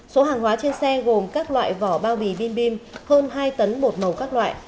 số hàng hóa trên xe gồm các loại vỏ bao bì vin bim hơn hai tấn bột màu các loại